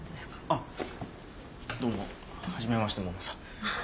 あどうも初めましてももさん。